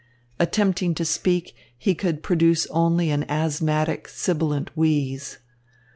Attempting to speak, he could produce only an asthmatic, sibilant wheeze.